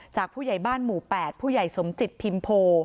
ผู้ใหญ่บ้านหมู่๘ผู้ใหญ่สมจิตพิมโพ